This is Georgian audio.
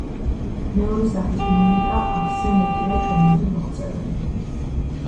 მეორე სახის მონეტა ათზე მეტია ჩვენამდე მოღწეული.